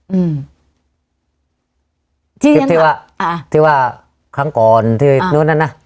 อืมที่คลิปที่ว่าอ่าที่ว่าครั้งก่อนที่นู้นนั่นน่ะ